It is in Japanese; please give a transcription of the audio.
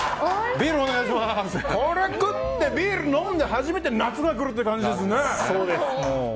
これ食って、ビール飲んで初めて夏が来るという感じですね。